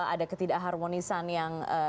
ada ketidakharmonisan yang